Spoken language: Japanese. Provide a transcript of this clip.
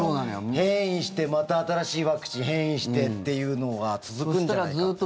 変異して、また新しいワクチン変異してっていうのが続くんじゃないかって。